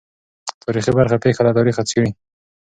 تاریخي برخه پېښه له تاریخه څېړي.